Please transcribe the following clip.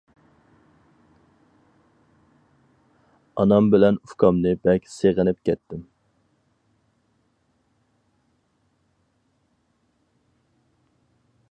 ئانام بىلەن ئۇكامنى بەك سېغىنىپ كەتتىم.